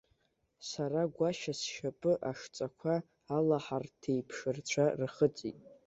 Сара-гәаша сшьапы ашҵақәа алаҳарҭеиԥш рцәа рхыҵит.